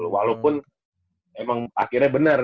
walaupun emang akhirnya benar